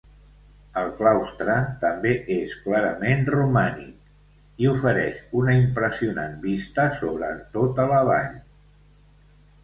El claustre també és clarament romànic i ofereix una impressionant vista sobre tota la vall.